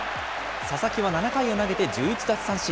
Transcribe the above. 佐々木は７回を投げて１１奪三振。